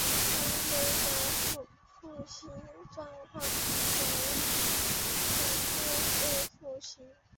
甘薇的履行情况为全部未履行。